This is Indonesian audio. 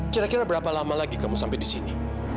kira kira berapa lama lagi kamu sampai di sini